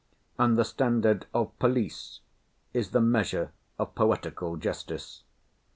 The standard of police is the measure of political justice.